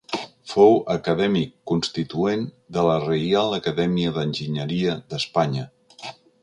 Fou acadèmic constituent de la Reial Acadèmia d'Enginyeria d'Espanya.